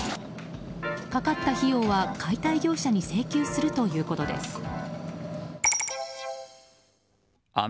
かかった費用は解体業者に請求するということです。